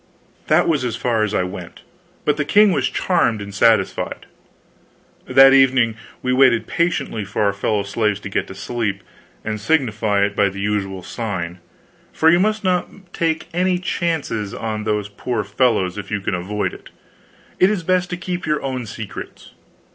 That was as far as I went, but the king was charmed and satisfied. That evening we waited patiently for our fellow slaves to get to sleep and signify it by the usual sign, for you must not take many chances on those poor fellows if you can avoid it. It is best to keep your own secrets.